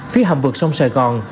phía hầm vực sông sài gòn